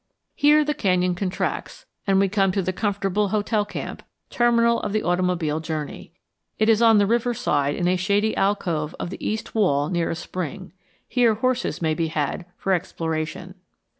Here the canyon contracts, and we come to the comfortable hotel camp, terminal of the automobile journey. It is on the river side in a shady alcove of the east wall near a spring. Here horses may be had for exploration.